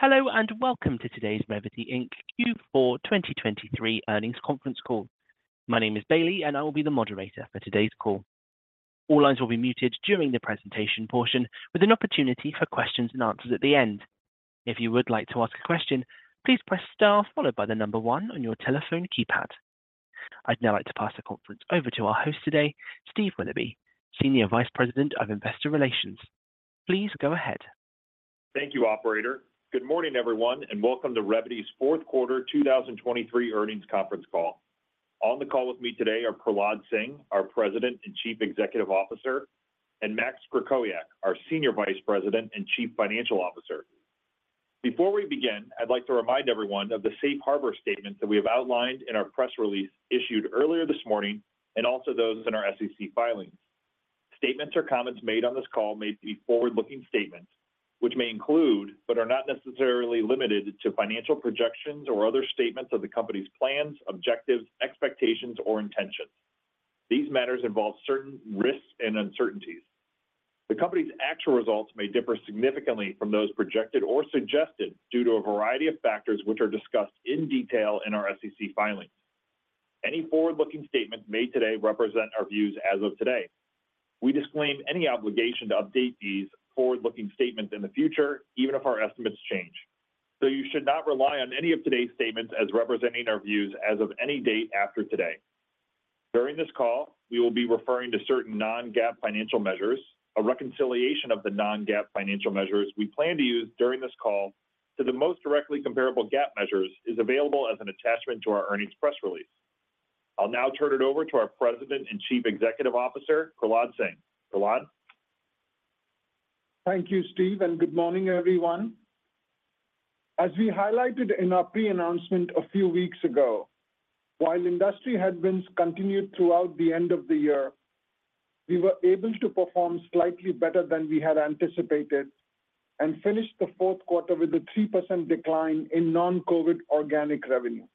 Hello, and welcome to today's Revvity, Inc Q4 2023 earnings conference call. My name is Bailey, and I will be the moderator for today's call. All lines will be muted during the presentation portion, with an opportunity for questions and answers at the end. If you would like to ask a question, please press star followed by the number one on your telephone keypad. I'd now like to pass the conference over to our host today, Steve Willoughby, Senior Vice President of Investor Relations. Please go ahead. Thank you, operator. Good morning, everyone, and welcome to Revvity's fourth quarter 2023 earnings conference call. On the call with me today are Prahlad Singh, our President and Chief Executive Officer, and Max Krakowiak, our Senior Vice President and Chief Financial Officer. Before we begin, I'd like to remind everyone of the safe harbor statement that we have outlined in our press release issued earlier this morning, and also those in our SEC filings. Statements or comments made on this call may be forward-looking statements, which may include, but are not necessarily limited to, financial projections or other statements of the company's plans, objectives, expectations, or intentions. These matters involve certain risks and uncertainties. The company's actual results may differ significantly from those projected or suggested due to a variety of factors, which are discussed in detail in our SEC filings. Any forward-looking statements made today represent our views as of today. We disclaim any obligation to update these forward-looking statements in the future, even if our estimates change. So you should not rely on any of today's statements as representing our views as of any date after today. During this call, we will be referring to certain non-GAAP financial measures. A reconciliation of the non-GAAP financial measures we plan to use during this call to the most directly comparable GAAP measures is available as an attachment to our earnings press release. I'll now turn it over to our President and Chief Executive Officer, Prahlad Singh. Prahlad? Thank you, Steve, and good morning, everyone. As we highlighted in our pre-announcement a few weeks ago, while industry headwinds continued throughout the end of the year, we were able to perform slightly better than we had anticipated and finished the fourth quarter with a 3% decline in non-COVID organic revenue.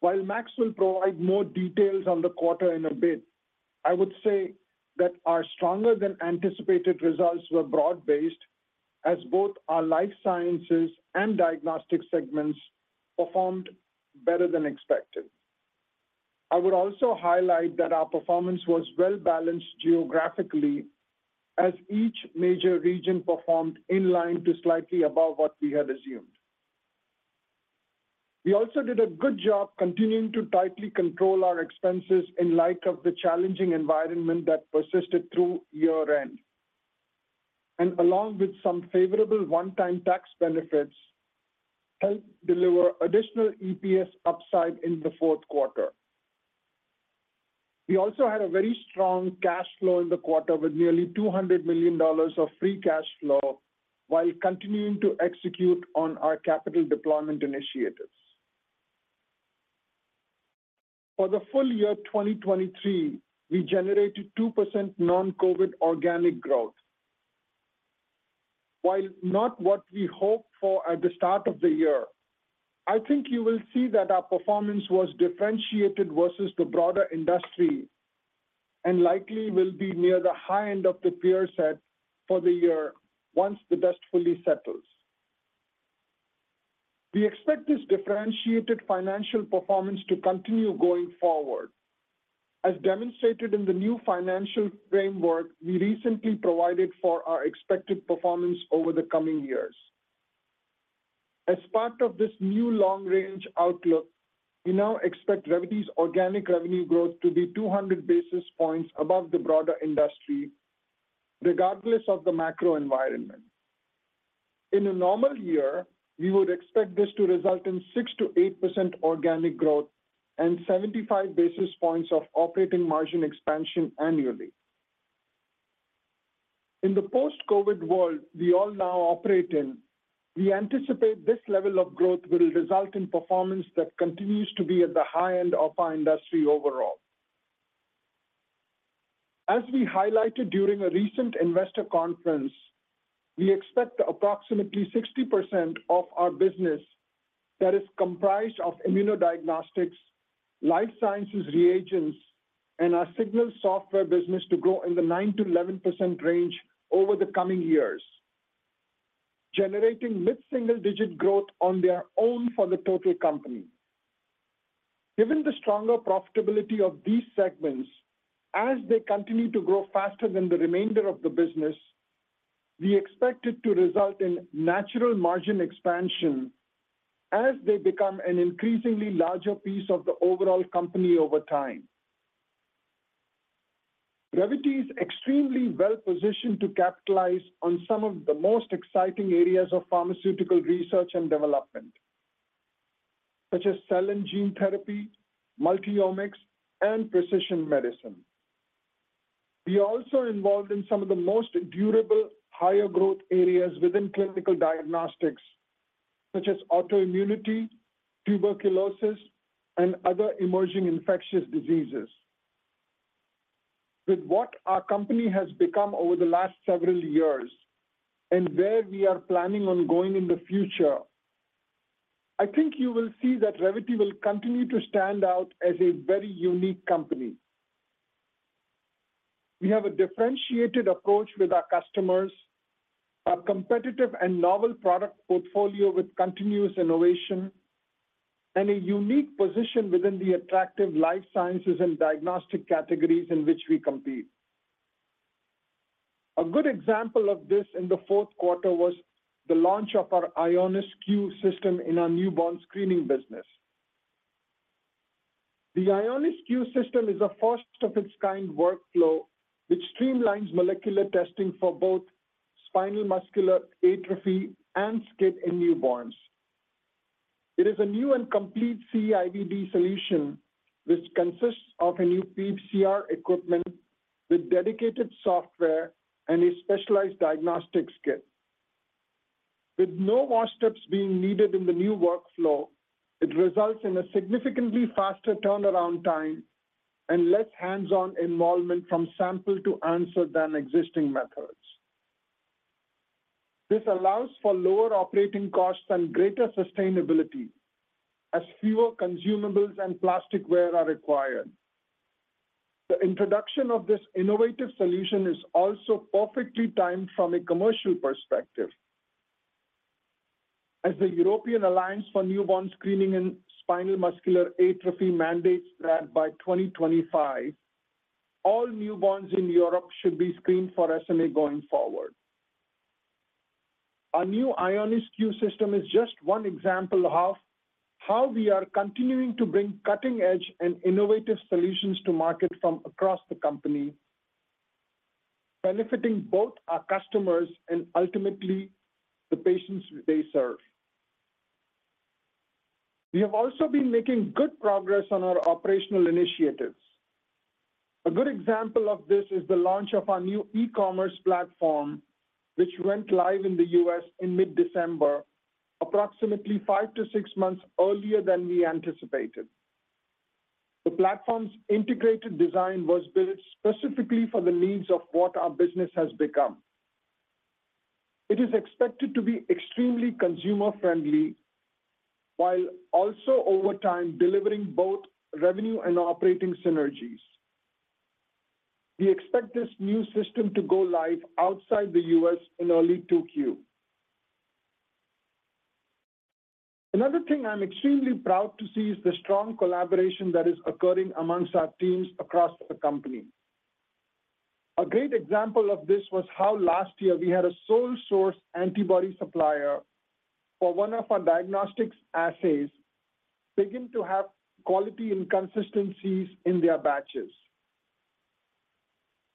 While Max will provide more details on the quarter in a bit, I would say that our stronger-than-anticipated results were broad-based as both our Life Sciences and Diagnostic segments performed better than expected. I would also highlight that our performance was well-balanced geographically as each major region performed in line to slightly above what we had assumed. We also did a good job continuing to tightly control our expenses in light of the challenging environment that persisted through year-end, and along with some favorable one-time tax benefits, helped deliver additional EPS upside in the fourth quarter. We also had a very strong cash flow in the quarter, with nearly $200 million of free cash flow while continuing to execute on our capital deployment initiatives. For the full year 2023, we generated 2% non-COVID organic growth. While not what we hoped for at the start of the year, I think you will see that our performance was differentiated versus the broader industry and likely will be near the high end of the peer set for the year once the dust fully settles. We expect this differentiated financial performance to continue going forward, as demonstrated in the new financial framework we recently provided for our expected performance over the coming years. As part of this new long-range outlook, we now expect Revvity's organic revenue growth to be 200 basis points above the broader industry, regardless of the macro environment. In a normal year, we would expect this to result in 6%-8% organic growth and 75 basis points of operating margin expansion annually. In the post-COVID world we all now operate in, we anticipate this level of growth will result in performance that continues to be at the high end of our industry overall. As we highlighted during a recent Investor Conference, we expect approximately 60% of our business that is comprised of immunodiagnostics, life sciences reagents, and our Signals software business to grow in the 9%-11% range over the coming years, generating mid-single-digit growth on their own for the total company. Given the stronger profitability of these segments, as they continue to grow faster than the remainder of the business, we expect it to result in natural margin expansion as they become an increasingly larger piece of the overall company over time. Revvity is extremely well positioned to capitalize on some of the most exciting areas of pharmaceutical research and development, such as cell and gene therapy, multi-omics, and precision medicine. We are also involved in some of the most durable, higher growth areas within clinical diagnostics, such as autoimmunity, tuberculosis, and other emerging infectious diseases. With what our company has become over the last several years and where we are planning on going in the future, I think you will see that Revvity will continue to stand out as a very unique company. We have a differentiated approach with our customers, a competitive and novel product portfolio with continuous innovation, and a unique position within the attractive Life Sciences and Diagnostic categories in which we compete. A good example of this in the fourth quarter was the launch of our Eonis Q system in our newborn screening business. The Eonis Q system is a first of its kind workflow, which streamlines molecular testing for both spinal muscular atrophy and SCID in newborns. It is a new and complete CE-IVD solution, which consists of a new PCR equipment with dedicated software and a specialized diagnostic kit. With no wash steps being needed in the new workflow, it results in a significantly faster turnaround time and less hands-on involvement from sample to answer than existing methods. This allows for lower operating costs and greater sustainability as fewer consumables and plasticware are required. The introduction of this innovative solution is also perfectly timed from a commercial perspective. As the European Alliance for Newborn Screening in Spinal Muscular Atrophy mandates that by 2025, all newborns in Europe should be screened for SMA going forward. Our new Eonis Q system is just one example of how we are continuing to bring cutting-edge and innovative solutions to market from across the company, benefiting both our customers and ultimately the patients they serve. We have also been making good progress on our operational initiatives. A good example of this is the launch of our new e-commerce platform, which went live in the U.S. in mid-December, approximately five to six months earlier than we anticipated. The platform's integrated design was built specifically for the needs of what our business has become. It is expected to be extremely consumer-friendly, while also over time, delivering both revenue and operating synergies. We expect this new system to go live outside the U.S. in early 2Q. Another thing I'm extremely proud to see is the strong collaboration that is occurring amongst our teams across the company. A great example of this was how last year we had a sole source antibody supplier for one of our diagnostics assays, begin to have quality inconsistencies in their batches.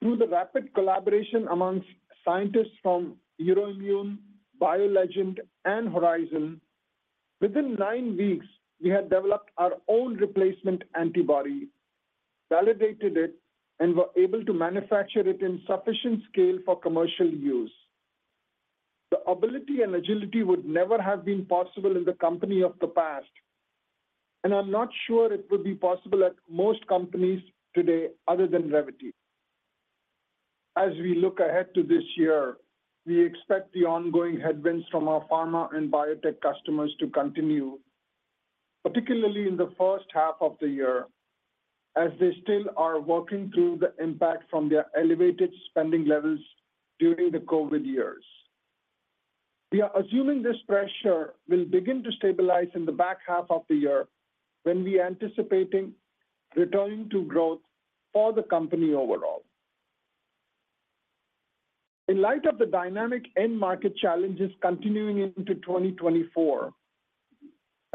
Through the rapid collaboration amongst scientists from Euroimmun, BioLegend, and Horizon, within nine weeks, we had developed our own replacement antibody, validated it, and were able to manufacture it in sufficient scale for commercial use. The ability and agility would never have been possible in the company of the past, and I'm not sure it would be possible at most companies today other than Revvity. As we look ahead to this year, we expect the ongoing headwinds from our pharma and biotech customers to continue, particularly in the first half of the year, as they still are working through the impact from their elevated spending levels during the COVID years. We are assuming this pressure will begin to stabilize in the back half of the year when we are anticipating returning to growth for the company overall. In light of the dynamic end market challenges continuing into 2024,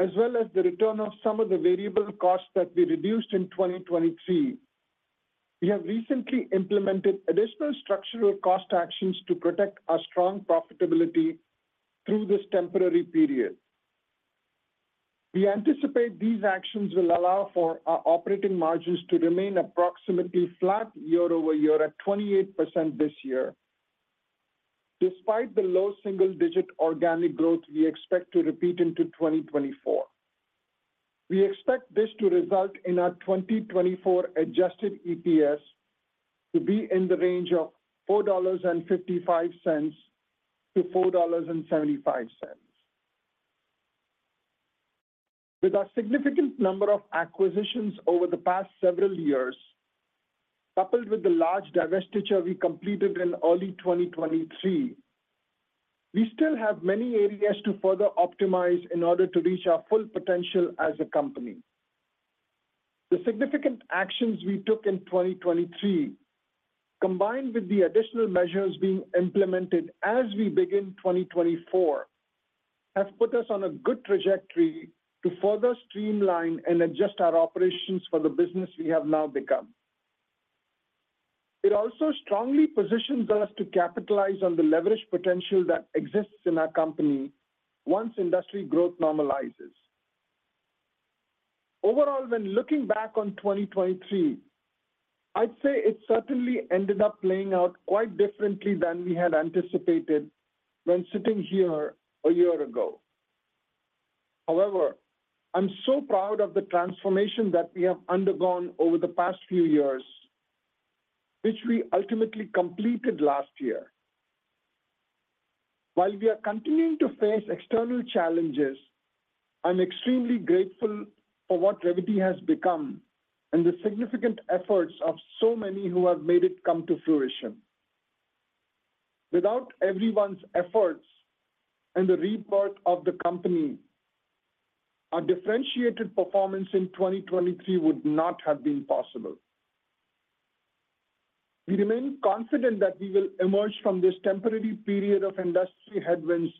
as well as the return of some of the variable costs that we reduced in 2023, we have recently implemented additional structural cost actions to protect our strong profitability through this temporary period. We anticipate these actions will allow for our operating margins to remain approximately flat year-over-year at 28% this year. Despite the low single-digit organic growth we expect to repeat into 2024. We expect this to result in our 2024 adjusted EPS to be in the range of $4.55-$4.75. With a significant number of acquisitions over the past several years, coupled with the large divestiture we completed in early 2023, we still have many areas to further optimize in order to reach our full potential as a company. The significant actions we took in 2023, combined with the additional measures being implemented as we begin 2024, have put us on a good trajectory to further streamline and adjust our operations for the business we have now become. It also strongly positions us to capitalize on the leverage potential that exists in our company once industry growth normalizes. Overall, when looking back on 2023, I'd say it certainly ended up playing out quite differently than we had anticipated when sitting here a year ago. However, I'm so proud of the transformation that we have undergone over the past few years, which we ultimately completed last year. While we are continuing to face external challenges, I'm extremely grateful for what Revvity has become and the significant efforts of so many who have made it come to fruition. Without everyone's efforts and the rebirth of the company, our differentiated performance in 2023 would not have been possible. We remain confident that we will emerge from this temporary period of industry headwinds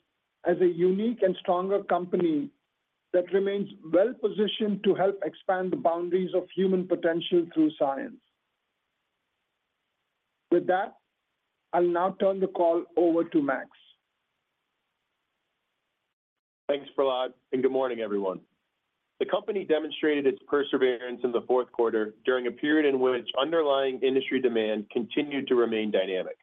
as a unique and stronger company that remains well-positioned to help expand the boundaries of human potential through science. With that, I'll now turn the call over to Max. Thanks, Prahlad, and good morning, everyone. The company demonstrated its perseverance in the fourth quarter during a period in which underlying industry demand continued to remain dynamic.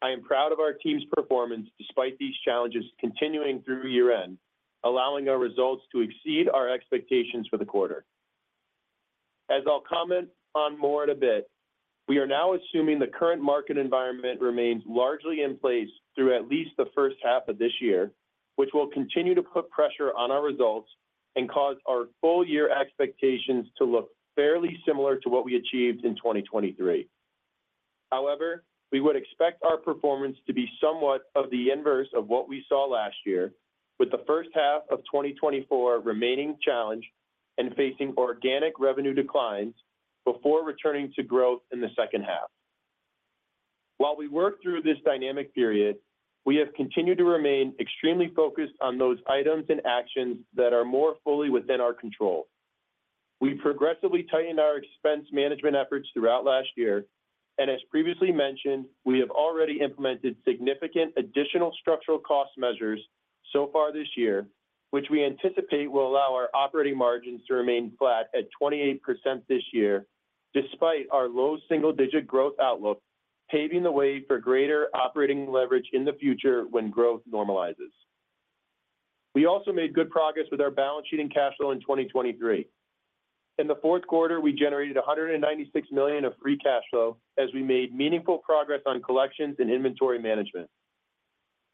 I am proud of our team's performance, despite these challenges continuing through year-end, allowing our results to exceed our expectations for the quarter. As I'll comment on more in a bit, we are now assuming the current market environment remains largely in place through at least the first half of this year, which will continue to put pressure on our results and cause our full year expectations to look fairly similar to what we achieved in 2023. However, we would expect our performance to be somewhat of the inverse of what we saw last year, with the first half of 2024 remaining challenged and facing organic revenue declines before returning to growth in the second half. While we work through this dynamic period, we have continued to remain extremely focused on those items and actions that are more fully within our control. We progressively tightened our expense management efforts throughout last year, and as previously mentioned, we have already implemented significant additional structural cost measures so far this year, which we anticipate will allow our operating margins to remain flat at 28% this year, despite our low single-digit growth outlook, paving the way for greater operating leverage in the future when growth normalizes. We also made good progress with our balance sheet and cash flow in 2023. In the fourth quarter, we generated $196 million of free cash flow as we made meaningful progress on collections and inventory management.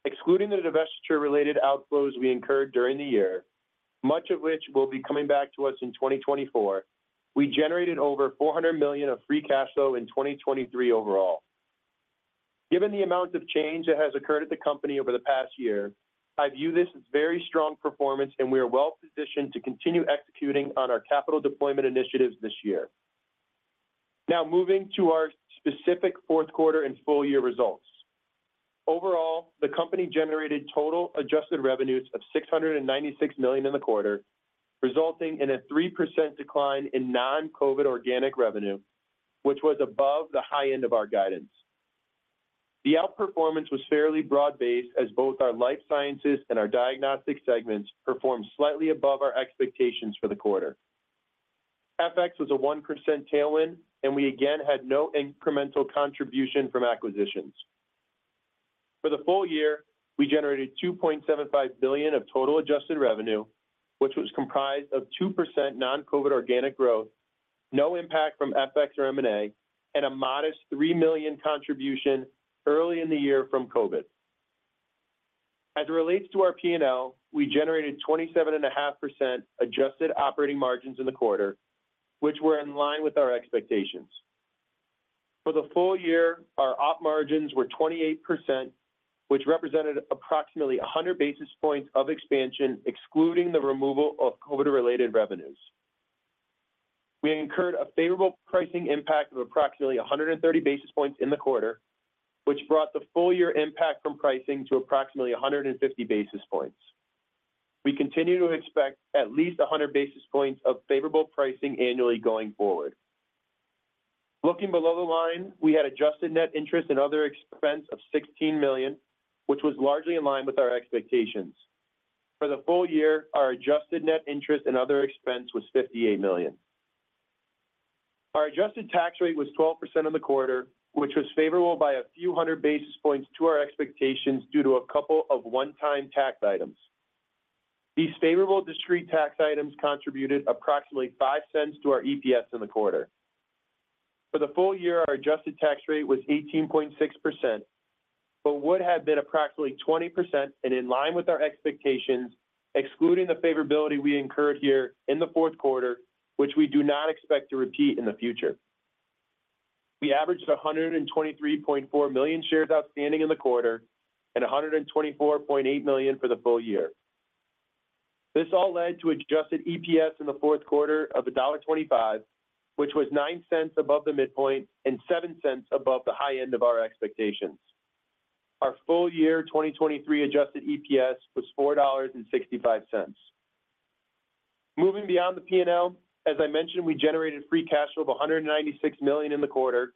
Excluding the divestiture-related outflows we incurred during the year, much of which will be coming back to us in 2024, we generated over $400 million of free cash flow in 2023 overall. Given the amount of change that has occurred at the company over the past year, I view this as very strong performance, and we are well positioned to continue executing on our capital deployment initiatives this year. Now, moving to our specific fourth quarter and full year results. Overall, the company generated total adjusted revenues of $696 million in the quarter, resulting in a 3% decline in non-COVID organic revenue, which was above the high end of our guidance. The outperformance was fairly broad-based, as both our Life Sciences and our Diagnostic segments performed slightly above our expectations for the quarter. FX was a 1% tailwind, and we again had no incremental contribution from acquisitions. For the full year, we generated $2.75 billion of total adjusted revenue, which was comprised of 2% non-COVID organic growth, no impact from FX or M&A, and a modest $3 million contribution early in the year from COVID. As it relates to our P&L, we generated 27.5% adjusted operating margins in the quarter, which were in line with our expectations. For the full year, our op margins were 28%, which represented approximately 100 basis points of expansion, excluding the removal of COVID-related revenues. We incurred a favorable pricing impact of approximately 130 basis points in the quarter, which brought the full year impact from pricing to approximately 150 basis points. We continue to expect at least 100 basis points of favorable pricing annually going forward. Looking below the line, we had adjusted net interest and other expense of $16 million, which was largely in line with our expectations. For the full year, our adjusted net interest and other expense was $58 million. Our adjusted tax rate was 12% in the quarter, which was favorable by a few hundred basis points to our expectations due to a couple of one-time tax items. These favorable discrete tax items contributed approximately $0.05 to our EPS in the quarter. For the full year, our adjusted tax rate was 18.6%, but would have been approximately 20% and in line with our expectations, excluding the favorability we incurred here in the fourth quarter, which we do not expect to repeat in the future. We averaged 123.4 million shares outstanding in the quarter and 124.8 million for the full year. This all led to adjusted EPS in the fourth quarter of $1.25, which was $0.09 above the midpoint and $0.07 above the high end of our expectations. Our full year 2023 adjusted EPS was $4.65. Moving beyond the P&L, as I mentioned, we generated free cash flow of $196 million in the quarter,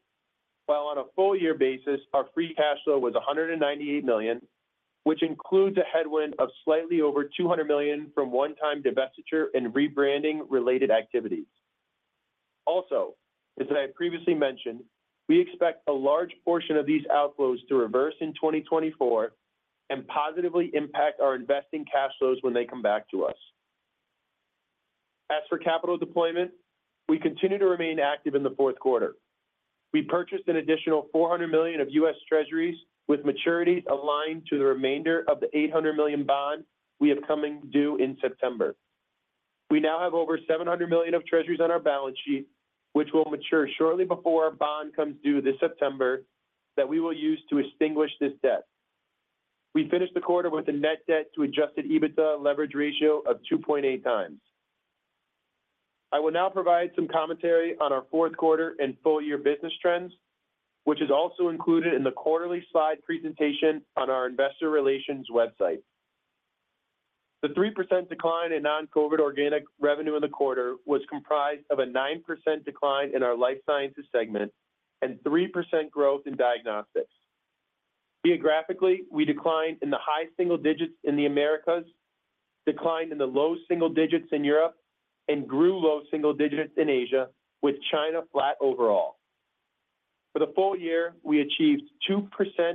while on a full year basis, our free cash flow was $198 million, which includes a headwind of slightly over $200 million from one-time divestiture and rebranding related activities. Also, as I previously mentioned, we expect a large portion of these outflows to reverse in 2024 and positively impact our investing cash flows when they come back to us. As for capital deployment, we continue to remain active in the fourth quarter. We purchased an additional $400 million of U.S. Treasuries with maturities aligned to the remainder of the $800 million bond we have coming due in September. We now have over $700 million of Treasuries on our balance sheet, which will mature shortly before our bond comes due this September, that we will use to extinguish this debt. We finished the quarter with a net debt to adjusted EBITDA leverage ratio of 2.8x. I will now provide some commentary on our fourth quarter and full year business trends, which is also included in the quarterly slide presentation on our Investor Relations website. The 3% decline in non-COVID organic revenue in the quarter was comprised of a 9% decline in our Life Sciences segment and 3% growth in Diagnostics. Geographically, we declined in the high single digits in the Americas, declined in the low single digits in Europe, and grew low single digits in Asia, with China flat overall. For the full year, we achieved 2%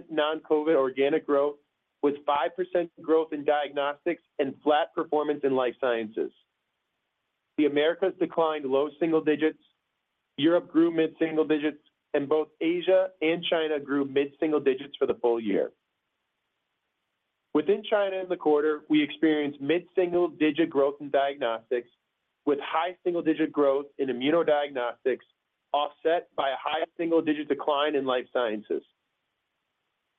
non-COVID organic growth, with 5% growth in diagnostics and flat performance in life sciences. The Americas declined low single digits, Europe grew mid-single digits, and both Asia and China grew mid-single digits for the full year. Within China in the quarter, we experienced mid-single-digit growth in diagnostics, with high single-digit growth in immunodiagnostics, offset by a high single-digit decline in life sciences.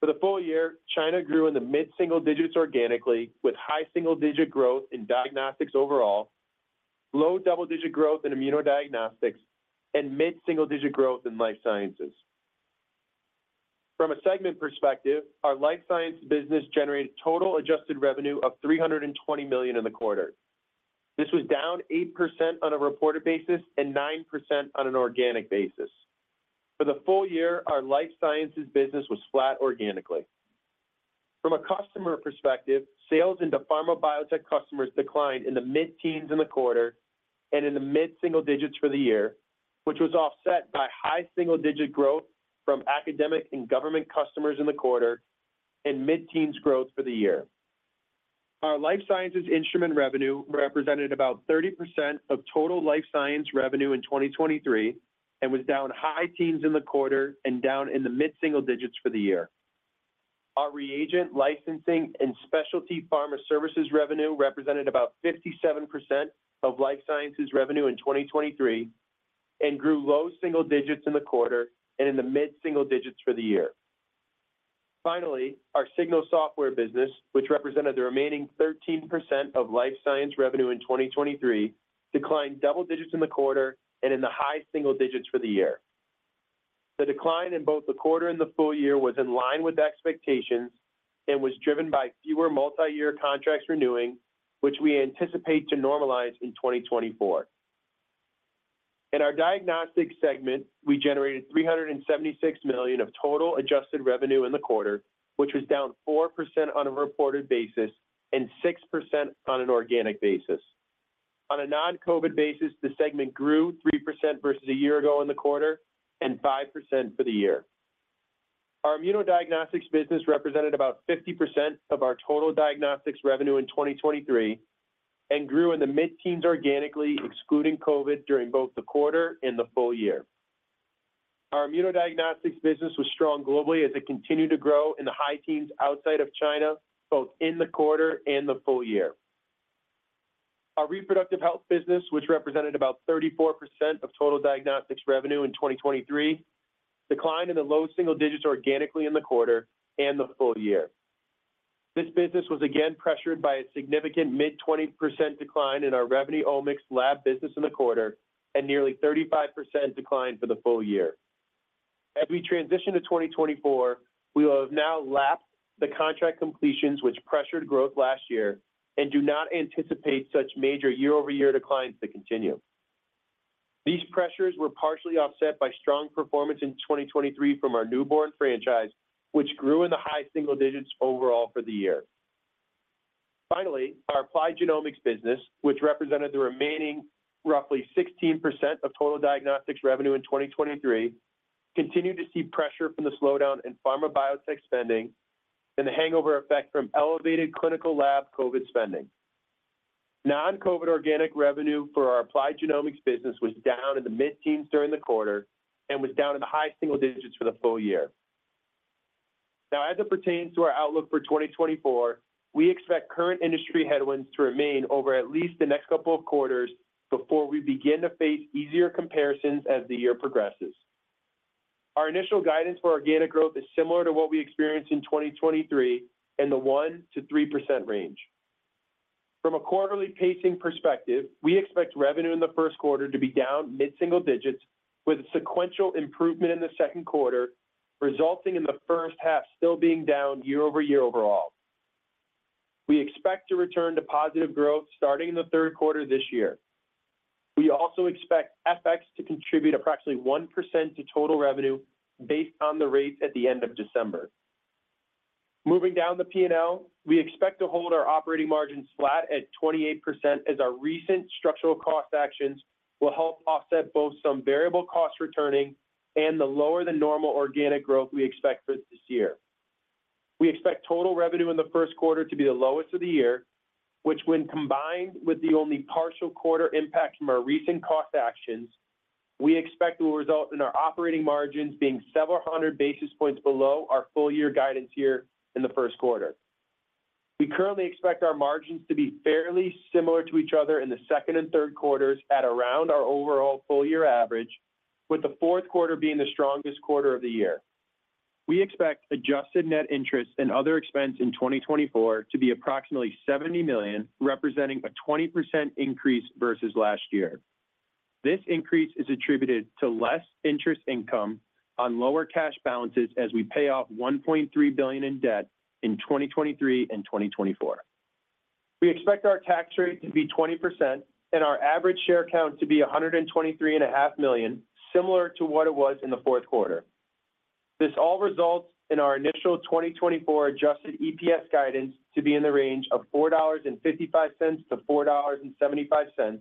For the full year, China grew in the mid-single digits organically, with high single-digit growth in diagnostics overall, low double-digit growth in immunodiagnostics, and mid-single-digit growth in life sciences. From a segment perspective, our life sciences business generated total adjusted revenue of $320 million in the quarter. This was down 8% on a reported basis and 9% on an organic basis. For the full year, our life sciences business was flat organically. From a customer perspective, sales into pharma biotech customers declined in the mid-teens in the quarter and in the mid-single digits for the year, which was offset by high single-digit growth from academic and government customers in the quarter and mid-teens growth for the year. Our life sciences instrument revenue represented about 30% of total life science revenue in 2023 and was down high teens in the quarter and down in the mid-single digits for the year. Our reagent, licensing, and specialty pharma services revenue represented about 57% of life sciences revenue in 2023 and grew low single digits in the quarter and in the mid-single digits for the year. Finally, our Signals software business, which represented the remaining 13% of life science revenue in 2023, declined double digits in the quarter and in the high single digits for the year. The decline in both the quarter and the full year was in line with expectations and was driven by fewer multi-year contracts renewing, which we anticipate to normalize in 2024. In our Diagnostics segment, we generated $376 million of total adjusted revenue in the quarter, which was down 4% on a reported basis and 6% on an organic basis. On a non-COVID basis, the segment grew 3% versus a year ago in the quarter and 5% for the year. Our immunodiagnostics business represented about 50% of our total diagnostics revenue in 2023 and grew in the mid-teens organically, excluding COVID, during both the quarter and the full year. Our immunodiagnostics business was strong globally as it continued to grow in the high teens outside of China, both in the quarter and the full year. Our reproductive health business, which represented about 34% of total diagnostics revenue in 2023, declined in the low single digits organically in the quarter and the full year. This business was again pressured by a significant mid-20% decline in our Revvity Omics lab business in the quarter, and nearly 35% decline for the full year. As we transition to 2024, we will have now lapped the contract completions, which pressured growth last year and do not anticipate such major year-over-year declines to continue. These pressures were partially offset by strong performance in 2023 from our newborn franchise, which grew in the high single digits overall for the year. Finally, our applied genomics business, which represented the remaining roughly 16% of total diagnostics revenue in 2023, continued to see pressure from the slowdown in pharma biotech spending and the hangover effect from elevated clinical lab COVID spending. Non-COVID organic revenue for our applied genomics business was down in the mid-teens during the quarter and was down in the high single digits for the full year. Now, as it pertains to our outlook for 2024, we expect current industry headwinds to remain over at least the next couple of quarters before we begin to face easier comparisons as the year progresses. Our initial guidance for organic growth is similar to what we experienced in 2023, in the 1%-3% range. From a quarterly pacing perspective, we expect revenue in the first quarter to be down mid-single digits, with a sequential improvement in the second quarter, resulting in the first half still being down year-over-year overall. We expect to return to positive growth starting in the third quarter this year. We also expect FX to contribute approximately 1% to total revenue based on the rates at the end of December. Moving down the P&L, we expect to hold our operating margins flat at 28%, as our recent structural cost actions will help offset both some variable costs returning and the lower than normal organic growth we expect for this year. We expect total revenue in the first quarter to be the lowest of the year, which, when combined with the only partial quarter impact from our recent cost actions, we expect will result in our operating margins being several hundred basis points below our full year guidance here in the first quarter. We currently expect our margins to be fairly similar to each other in the second and third quarters at around our overall full year average, with the fourth quarter being the strongest quarter of the year. We expect adjusted net interest and other expense in 2024 to be approximately $70 million, representing a 20% increase versus last year. This increase is attributed to less interest income on lower cash balances as we pay off $1.3 billion in debt in 2023 and 2024. We expect our tax rate to be 20% and our average share count to be 123.5 million, similar to what it was in the fourth quarter. This all results in our initial 2024 adjusted EPS guidance to be in the range of $4.55-$4.75,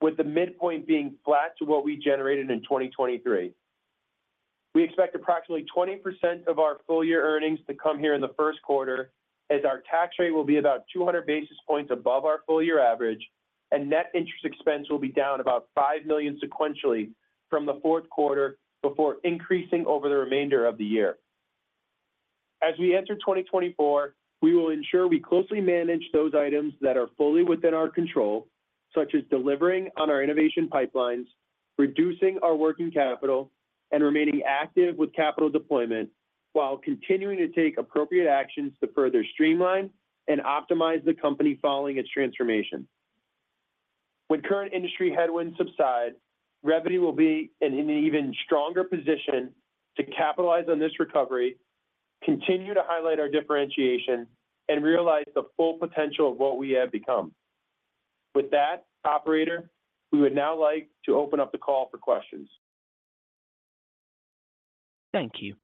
with the midpoint being flat to what we generated in 2023. We expect approximately 20% of our full year earnings to come here in the first quarter, as our tax rate will be about 200 basis points above our full year average, and net interest expense will be down about $5 million sequentially from the fourth quarter before increasing over the remainder of the year. As we enter 2024, we will ensure we closely manage those items that are fully within our control, such as delivering on our innovation pipelines, reducing our working capital, and remaining active with capital deployment, while continuing to take appropriate actions to further streamline and optimize the company following its transformation. When current industry headwinds subside, Revvity will be in an even stronger position to capitalize on this recovery, continue to highlight our differentiation, and realize the full potential of what we have become. With that, operator, we would now like to open up the call for questions. Thank you.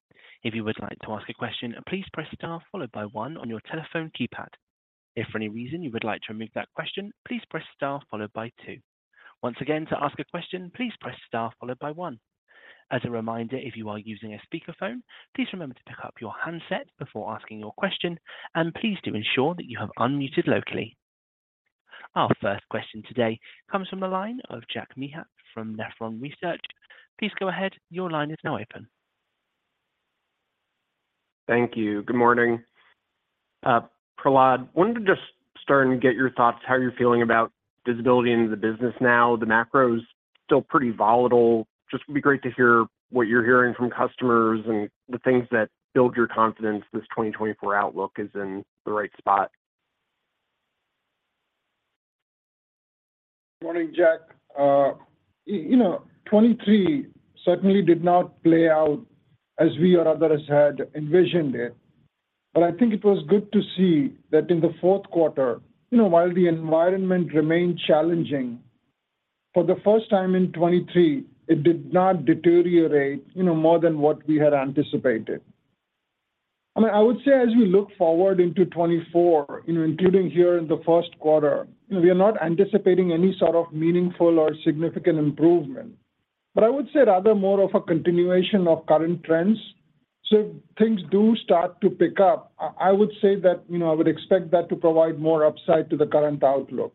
If you would like to ask a question, please press star followed by one on your telephone keypad. If for any reason you would like to remove that question, please press star followed by two. Once again, to ask a question, please press star followed by one. As a reminder, if you are using a speakerphone, please remember to pick up your handset before asking your question, and please do ensure that you have unmuted locally. Our first question today comes from the line of Jack Meehan from Nephron Research. Please go ahead. Your line is now open. Thank you. Good morning. Prahlad, wanted to just start and get your thoughts, how you're feeling about visibility into the business now. The macro's still pretty volatile. Just would be great to hear what you're hearing from customers and the things that build your confidence this 2024 outlook is in the right spot. Morning, Jack. You know, 2023 certainly did not play out as we or others had envisioned it, but I think it was good to see that in the fourth quarter, you know, while the environment remained challenging, for the first time in 2023, it did not deteriorate, you know, more than what we had anticipated. I mean, I would say as we look forward into 2024, you know, including here in the first quarter, you know, we are not anticipating any sort of meaningful or significant improvement, but I would say rather more of a continuation of current trends. So if things do start to pick up, I would say that, you know, I would expect that to provide more upside to the current outlook.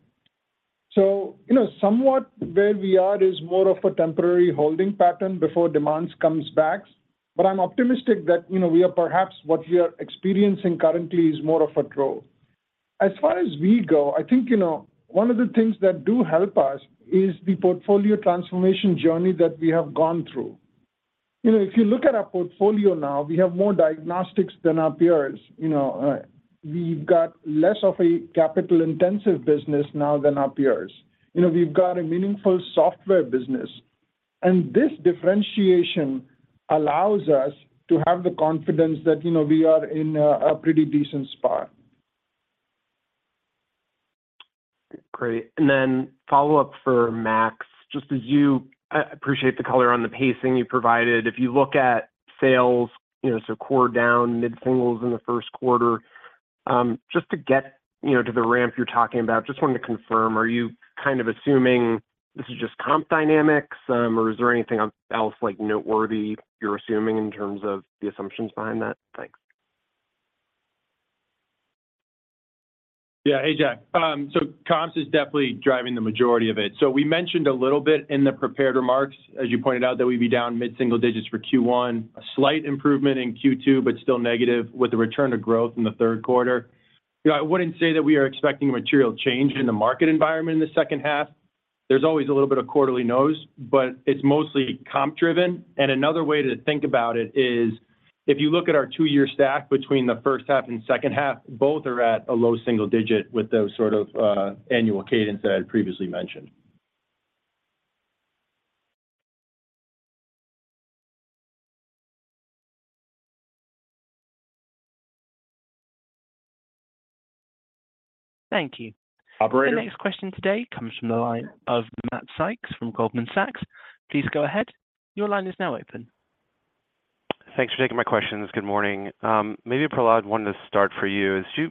So, you know, somewhat where we are is more of a temporary holding pattern before demand comes back, but I'm optimistic that, you know, we are perhaps what we are experiencing currently is more of a trough. As far as we go, I think, you know, one of the things that do help us is the portfolio transformation journey that we have gone through. You know, if you look at our portfolio now, we have more diagnostics than our peers. You know, we've got less of a capital-intensive business now than our peers. You know, we've got a meaningful software business, and this differentiation allows us to have the confidence that, you know, we are in a pretty decent spot. Great. And then follow-up for Max, just as you, I appreciate the color on the pacing you provided. If you look at sales, you know, so core down mid-singles in the first quarter, just to get, you know, to the ramp you're talking about, just wanted to confirm, are you kind of assuming this is just comp dynamics, or is there anything else like noteworthy you're assuming in terms of the assumptions behind that? Thanks. Yeah. Hey, Jack. So comps is definitely driving the majority of it. So we mentioned a little bit in the prepared remarks, as you pointed out, that we'd be down mid-single digits for Q1, a slight improvement in Q2, but still negative, with a return to growth in the third quarter. You know, I wouldn't say that we are expecting a material change in the market environment in the second half. There's always a little bit of quarterly noise, but it's mostly comp driven. And another way to think about it is, if you look at our two-year stack between the first half and second half, both are at a low single digit with those sort of annual cadence that I had previously mentioned. Thank you. Operator? The next question today comes from the line of Matt Sykes from Goldman Sachs. Please go ahead. Your line is now open. Thanks for taking my questions. Good morning. Maybe, Prahlad, wanted to start for you. As you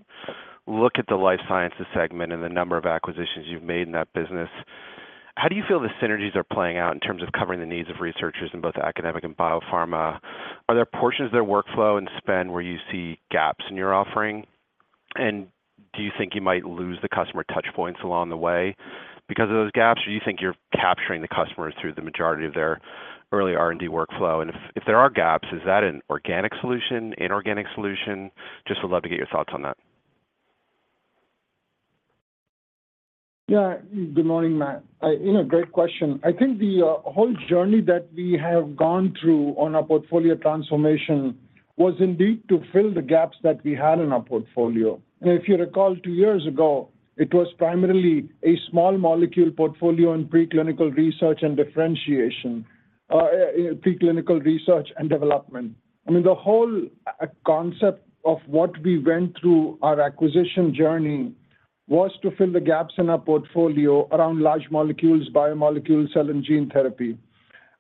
look at the Life Sciences segment and the number of acquisitions you've made in that business. How do you feel the synergies are playing out in terms of covering the needs of researchers in both academic and biopharma? Are there portions of their workflow and spend where you see gaps in your offering? And do you think you might lose the customer touch points along the way because of those gaps, or do you think you're capturing the customers through the majority of their early R&D workflow? And if, if there are gaps, is that an organic solution, inorganic solution? Just would love to get your thoughts on that. Yeah. Good morning, Matt. I you know, great question. I think the whole journey that we have gone through on our portfolio transformation was indeed to fill the gaps that we had in our portfolio. And if you recall, two years ago, it was primarily a small molecule portfolio and preclinical research and differentiation, preclinical research and development. I mean, the whole concept of what we went through our acquisition journey was to fill the gaps in our portfolio around large molecules, biomolecules, cell and gene therapy.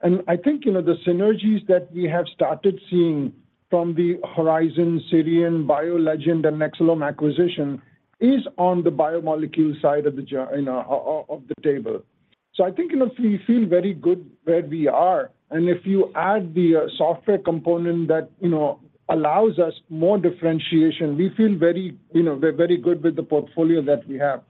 And I think, you know, the synergies that we have started seeing from the Horizon, SIRION, BioLegend, and Nexcelom acquisition is on the biomolecules side of the journey, you know, of the table. So I think, you know, we feel very good where we are, and if you add the software component that, you know, allows us more differentiation, we feel very, you know, very good with the portfolio that we have.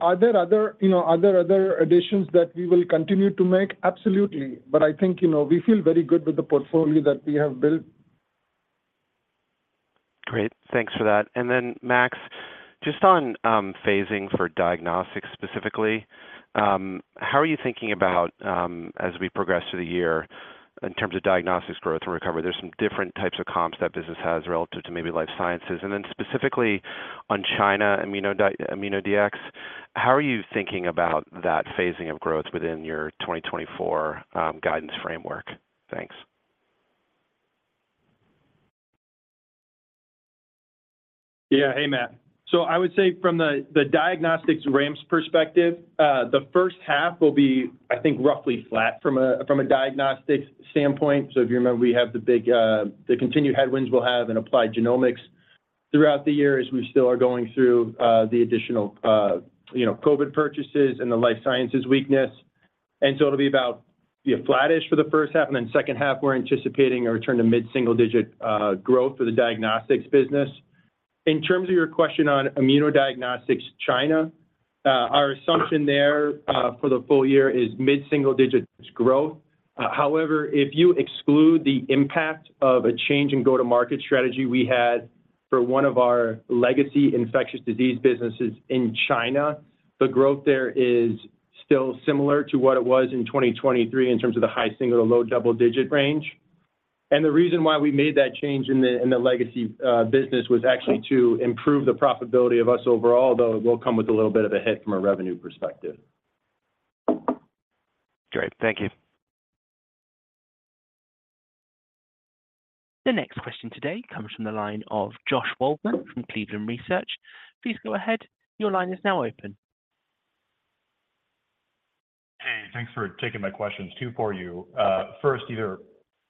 Are there other, you know, are there other additions that we will continue to make? Absolutely. But I think, you know, we feel very good with the portfolio that we have built. Great, thanks for that. Then, Max, just on phasing for diagnostics specifically, how are you thinking about, as we progress through the year in terms of diagnostics growth and recovery? There's some different types of comps that business has relative to maybe life sciences. And then specifically on China Immunodiagnostics, how are you thinking about that phasing of growth within your 2024 guidance framework? Thanks. Yeah. Hey, Matt. So I would say from the diagnostics ramps perspective, the first half will be, I think, roughly flat from a diagnostics standpoint. So if you remember, we have the big, the continued headwinds we'll have in applied genomics throughout the year as we still are going through the additional, you know, COVID purchases and the life sciences weakness. And so it'll be about, yeah, flattish for the first half, and then second half, we're anticipating a return to mid-single digit growth for the diagnostics business. In terms of your question on immunodiagnostics China, our assumption there for the full year is mid-single digit growth. However, if you exclude the impact of a change in go-to-market strategy we had for one of our legacy infectious disease businesses in China, the growth there is still similar to what it was in 2023 in terms of the high single to low double-digit range. And the reason why we made that change in the, in the legacy, business was actually to improve the profitability of us overall, though it will come with a little bit of a hit from a revenue perspective. Great. Thank you. The next question today comes from the line of Josh Waldman from Cleveland Research. Please go ahead. Your line is now open. Hey, thanks for taking my questions, two for you. First, either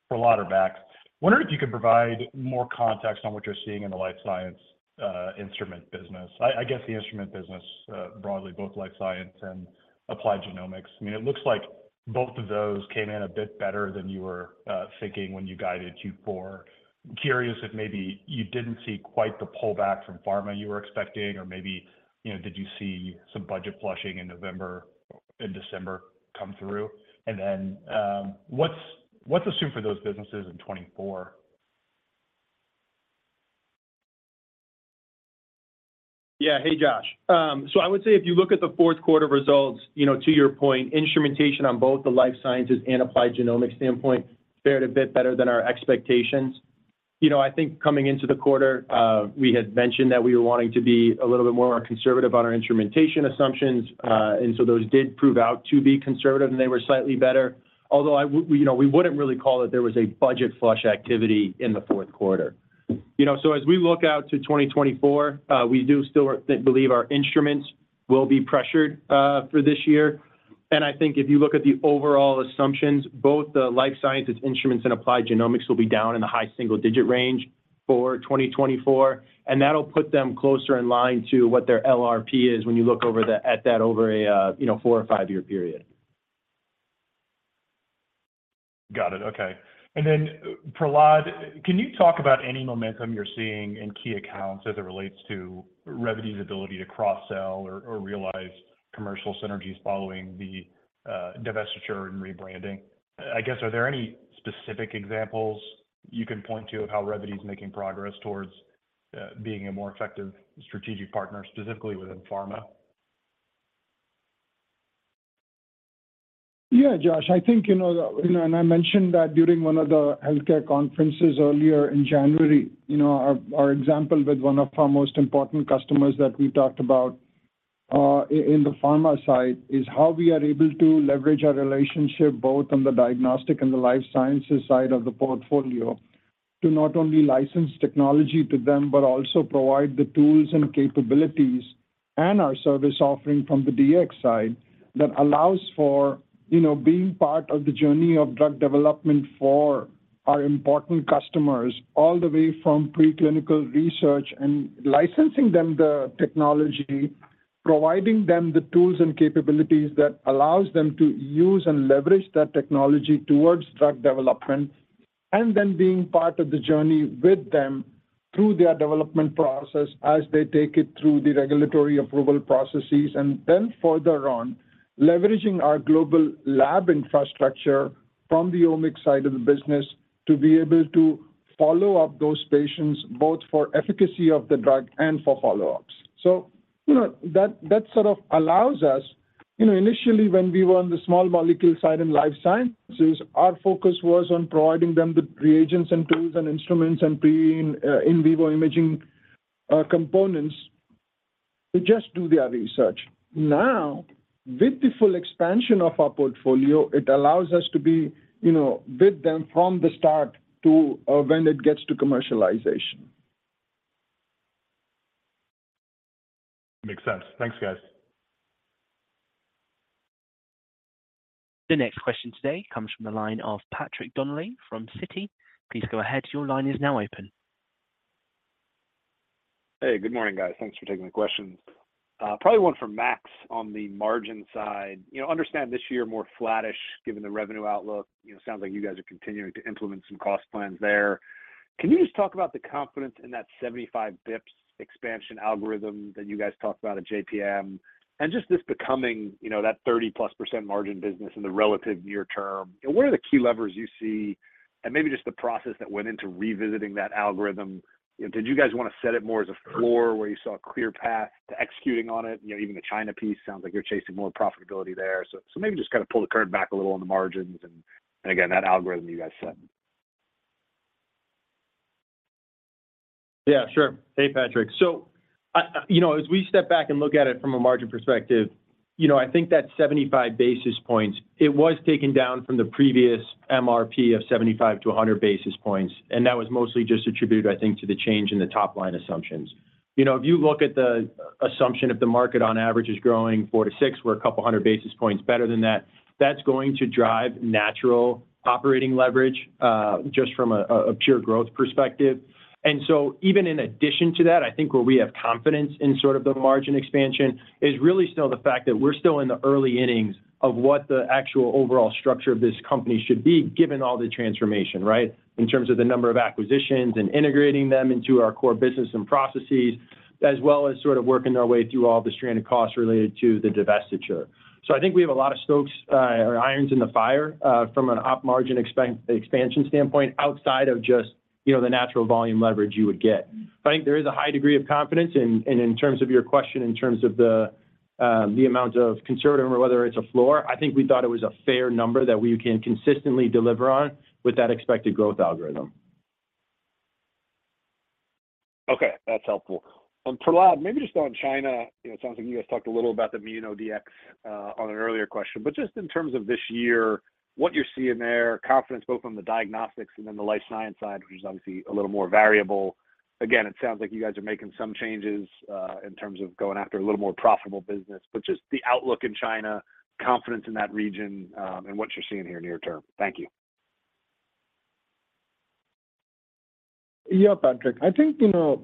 for Prahlad or Max, wondering if you could provide more context on what you're seeing in the life science instrument business. I guess the instrument business, broadly, both life science and applied genomics. I mean, it looks like both of those came in a bit better than you were thinking when you guided Q4. Curious if maybe you didn't see quite the pullback from pharma you were expecting, or maybe, you know, did you see some budget flushing in November and December come through? And then, what's the outlook for those businesses in 2024? Yeah. Hey, Josh. So I would say if you look at the fourth quarter results, you know, to your point, instrumentation on both the life sciences and applied genomics standpoint fared a bit better than our expectations. You know, I think coming into the quarter, we had mentioned that we were wanting to be a little bit more conservative on our instrumentation assumptions, and so those did prove out to be conservative, and they were slightly better. Although we, you know, we wouldn't really call it there was a budget flush activity in the fourth quarter. You know, so as we look out to 2024, we do still believe our instruments will be pressured, for this year. I think if you look at the overall assumptions, both the life sciences instruments and applied genomics will be down in the high single digit range for 2024, and that'll put them closer in line to what their LRP is when you look at that over a, you know, four or five-year period. Got it. Okay. And then, Prahlad, can you talk about any momentum you're seeing in key accounts as it relates to Revvity's ability to cross-sell or, or realize commercial synergies following the divestiture and rebranding? I guess, are there any specific examples you can point to of how Revvity is making progress towards being a more effective strategic partner, specifically within pharma? Yeah, Josh, I think, you know, you know, and I mentioned that during one of the healthcare conferences earlier in January. You know, our example with one of our most important customers that we talked about in the pharma side is how we are able to leverage our relationship, both on the diagnostic and the life sciences side of the portfolio, to not only license technology to them, but also provide the tools and capabilities and our service offering from the DX side, that allows for. You know, being part of the journey of drug development for our important customers, all the way from preclinical research and licensing them the technology, providing them the tools and capabilities that allows them to use and leverage that technology towards drug development, and then being part of the journey with them through their development process as they take it through the regulatory approval processes. And then further on, leveraging our global lab infrastructure from the Omics side of the business, to be able to follow up those patients, both for efficacy of the drug and for follow-ups. So, you know, that sort of allows us, you know, initially when we were on the small molecule side in life sciences, our focus was on providing them the reagents and tools and instruments and in vivo imaging components to just do their research. Now, with the full expansion of our portfolio, it allows us to be, you know, with them from the start to when it gets to commercialization. Makes sense. Thanks, guys. The next question today comes from the line of Patrick Donnelly from Citi. Please go ahead. Your line is now open. Hey, good morning, guys. Thanks for taking the questions. Probably one for Max on the margin side. You know, understand this year more flattish, given the revenue outlook. You know, sounds like you guys are continuing to implement some cost plans there. Can you just talk about the confidence in that 75 basis points expansion algorithm that you guys talked about at JPM? And just this becoming, you know, that 30%+ margin business in the relative near term, and what are the key levers you see, and maybe just the process that went into revisiting that algorithm. Did you guys want to set it more as a floor where you saw a clear path to executing on it? You know, even the China piece sounds like you're chasing more profitability there. So, maybe just kind of pull the curtain back a little on the margins and again, that algorithm you guys set. Yeah, sure. Hey, Patrick. So I, you know, as we step back and look at it from a margin perspective, you know, I think that 75 basis points, it was taken down from the previous MRP of 75-100 basis points, and that was mostly just attributed, I think, to the change in the top-line assumptions. You know, if you look at the assumption of the market on average is growing 4%-6%, we're a couple hundred basis points better than that. That's going to drive natural operating leverage, just from a pure growth perspective. And so even in addition to that, I think where we have confidence in sort of the margin expansion is really still the fact that we're still in the early innings of what the actual overall structure of this company should be, given all the transformation, right? In terms of the number of acquisitions and integrating them into our core business and processes, as well as sort of working our way through all the stranded costs related to the divestiture. So I think we have a lot of irons in the fire from an op margin expansion standpoint, outside of just, you know, the natural volume leverage you would get. I think there is a high degree of confidence, and in terms of your question, in terms of the amount of conservative or whether it's a floor, I think we thought it was a fair number that we can consistently deliver on with that expected growth algorithm. Okay, that's helpful. Prahlad, maybe just on China, you know, it sounds like you guys talked a little about the immuno DX on an earlier question, but just in terms of this year, what you're seeing there, confidence both on the diagnostics and then the life science side, which is obviously a little more variable. Again, it sounds like you guys are making some changes in terms of going after a little more profitable business, but just the outlook in China, confidence in that region, and what you're seeing here near term. Thank you. Yeah, Patrick. I think, you know,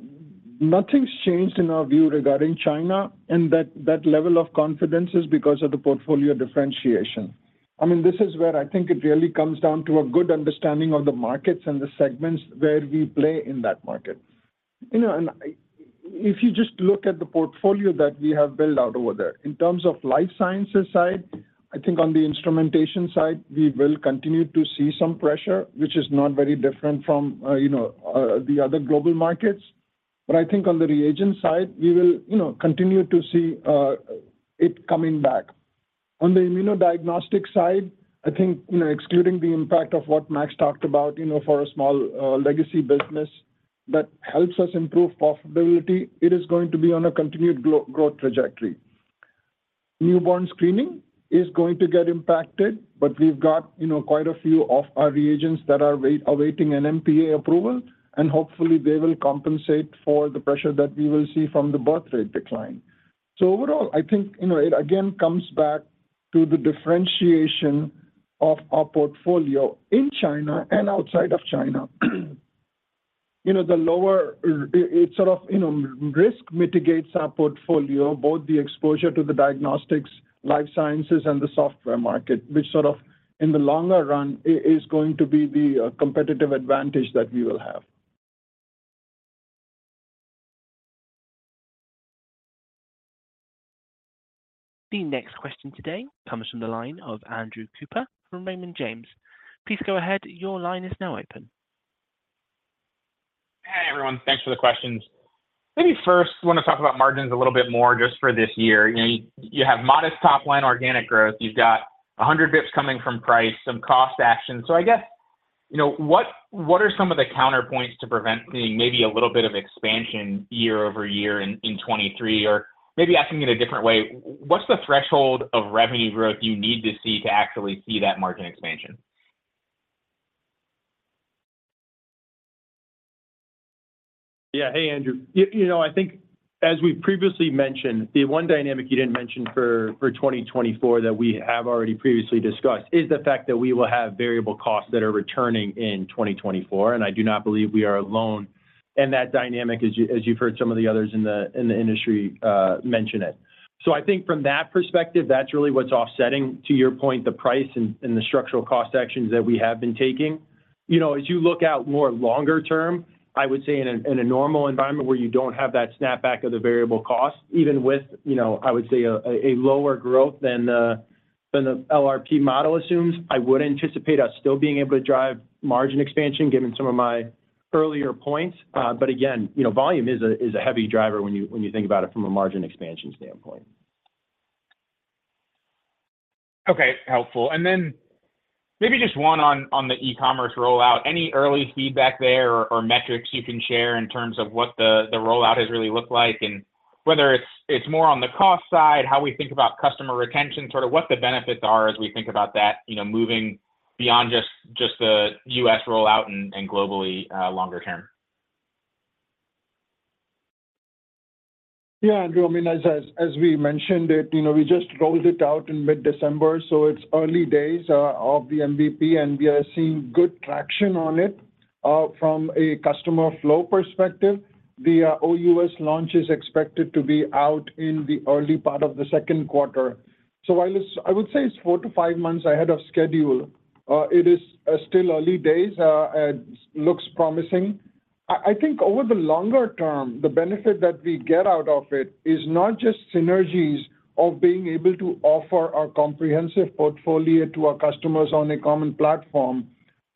nothing's changed in our view regarding China, and that level of confidence is because of the portfolio differentiation. I mean, this is where I think it really comes down to a good understanding of the markets and the segments where we play in that market. You know, and if you just look at the portfolio that we have built out over there, in terms of life sciences side, I think on the instrumentation side, we will continue to see some pressure, which is not very different from, you know, the other global markets. But I think on the reagent side, we will, you know, continue to see it coming back. On the immunodiagnostics side, I think, you know, excluding the impact of what Max talked about, you know, for a small, legacy business that helps us improve profitability, it is going to be on a continued growth trajectory. Newborn screening is going to get impacted, but we've got, you know, quite a few of our reagents that are awaiting an NMPA approval, and hopefully, they will compensate for the pressure that we will see from the birth rate decline. So overall, I think, you know, it again comes back to the differentiation of our portfolio in China and outside of China. You know, the lower. It sort of, you know, risk mitigates our portfolio, both the exposure to the diagnostics, life sciences, and the software market, which sort of in the longer run is going to be the competitive advantage that we will have. The next question today comes from the line of Andrew Cooper from Raymond James. Please go ahead. Your line is now open. Hey, everyone. Thanks for the questions. Maybe first, want to talk about margins a little bit more just for this year. You know, you, you have modest top-line organic growth. You've got 100 basis points coming from price, some cost action. So I guess, you know, what, what are some of the counterpoints to prevent maybe a little bit of expansion year-over-year in 2023? Or maybe asking it a different way, what's the threshold of revenue growth you need to see to actually see that margin expansion? Yeah. Hey, Andrew. You know, I think as we previously mentioned, the one dynamic you didn't mention for 2024 that we have already previously discussed, is the fact that we will have variable costs that are returning in 2024, and I do not believe we are alone in that dynamic, as you've heard some of the others in the industry mention it. So I think from that perspective, that's really what's offsetting, to your point, the price and the structural cost actions that we have been taking. You know, as you look out more longer term, I would say in a normal environment where you don't have that snapback of the variable cost, even with, you know, I would say a lower growth than the LRP model assumes, I would anticipate us still being able to drive margin expansion, given some of my earlier points. But again, you know, volume is a heavy driver when you think about it from a margin expansion standpoint. Okay, helpful. And then maybe just one on the e-commerce rollout. Any early feedback there or metrics you can share in terms of what the rollout has really looked like? And whether it's more on the cost side, how we think about customer retention, sort of what the benefits are as we think about that, you know, moving beyond just the U.S. rollout and globally longer term. Yeah, Andrew, I mean, as we mentioned it, you know, we just rolled it out in mid-December, so it's early days of the MVP, and we are seeing good traction on it. From a customer flow perspective, the OUS launch is expected to be out in the early part of the second quarter. So while it's, I would say it's four to five months ahead of schedule, it is still early days, looks promising. I think over the longer term, the benefit that we get out of it is not just synergies of being able to offer our comprehensive portfolio to our customers on a common platform,